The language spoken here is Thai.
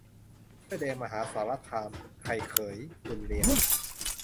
เสื้อแดงมหาสารคาม 'ไข่เขย-บุญเลี้ยง'